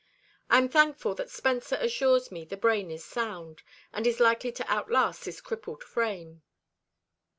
I am thankful that Spencer assures me the brain is sound, and is likely to outlast this crippled frame."